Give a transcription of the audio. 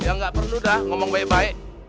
ya nggak perlu dah ngomong baik baik